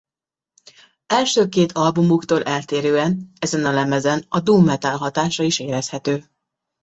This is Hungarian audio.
Első két albumuktól eltérően ezen a lemezen a doom metal hatása is érezhető.